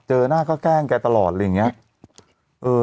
เจอหน้าก็แกล้งแกตลอดอะไรอย่างนี้